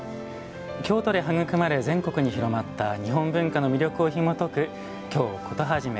京都で育まれ全国に広まった日本文化の魅力をひもとく「京コトはじめ」。